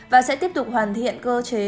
và sẽ tiếp tục hoàn thiện cơ chế